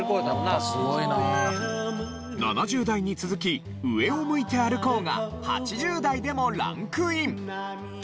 ７０代に続き『上を向いて歩こう』が８０代でもランクイン！